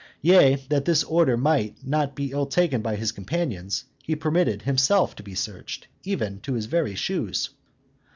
Yea, that this order might not be ill taken by his companions, he permitted himself to be searched, even to his very shoes.